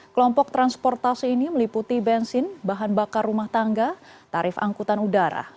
kelompok transportasi ini meliputi bensin bahan bakar rumah tangga tarif angkutan udara